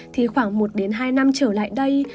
thì khoảng một hai năm trở lại đây